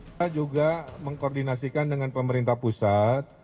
kita juga mengkoordinasikan dengan pemerintah pusat